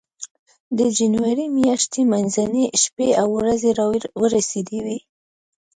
د جنوري میاشتې منځنۍ شپې او ورځې را ورسېدې وې.